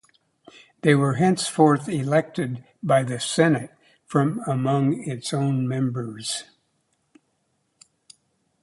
They were henceforth elected by the Senate from among its own members.